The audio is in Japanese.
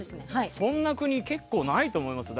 そんな国結構、ないと思いますよ。